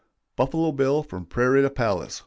"BUFFALO BILL" FROM PRAIRIE TO PALACE.